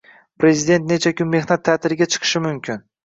Prezident necha kun mehnat taʼtiliga chiqishi mumkin?